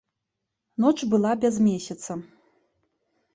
Ноч была без месяца.